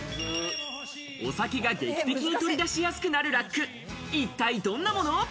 お酒が劇的に取り出しやすくなるラック、一体どんなもの？